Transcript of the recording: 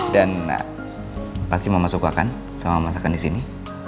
dan pasti mama suka kan sama masakan di sini